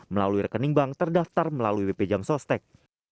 melalui rekening bank terdaftar melalui bp jamsostek